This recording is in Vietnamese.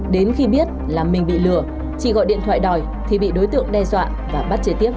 đến khi biết là mình bị lừa chị gọi điện thoại đòi thì bị đối tượng đe dọa và bắt chế tiếp